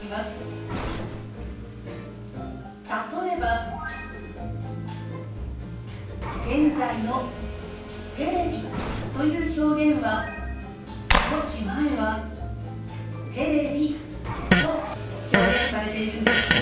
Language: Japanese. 例えば現在の「テレビ」という表現は少し前は「テレビ」と表現されているんです。